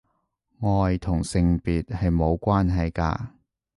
愛同性別係無關係㗎